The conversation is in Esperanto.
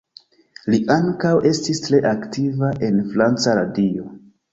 Li ankaŭ estis tre aktiva en franca radio.